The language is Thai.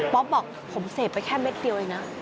บอกผมเสพไปแค่เม็ดเดียวเองนะ